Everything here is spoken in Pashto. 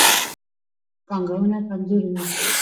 پانګونه کمزورې وي.